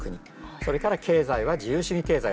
それから経済は自由主義経済をやってる国。